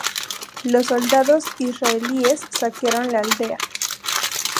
Los soldados Israelíes saquearon la aldea.